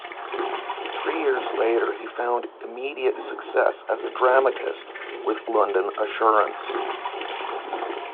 Three years later he found immediate success as a dramatist with "London Assurance".